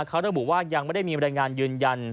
เขาระบุว่ายังไม่ได้มีบรรยายงานยืนยัน